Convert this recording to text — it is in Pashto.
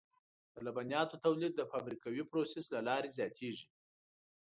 د لبنیاتو تولید د فابریکوي پروسس له لارې زیاتېږي.